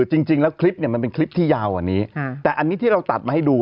จริงแล้วคลิปเนี่ยมันเป็นคลิปที่ยาวกว่านี้แต่อันนี้ที่เราตัดมาให้ดู